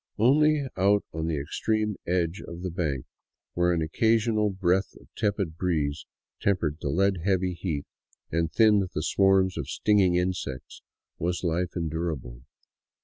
Only out on the extreme edge of the bank, where an occasional breath of tepid breeze tempered the lead heavy heat and thinned the swarms of stinging insects, was life endurable.